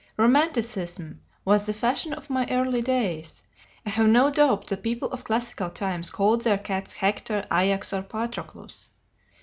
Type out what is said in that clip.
Romanticism was the fashion of my early days: I have no doubt the people of classical times called their cats Hector, Ajax, or Patroclus.